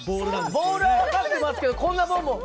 ボールは分かってますけどこんなボンボン。